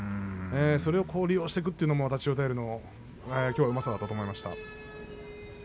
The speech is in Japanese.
それを利用していくというのも千代大龍のきょうはうまさだったと思います。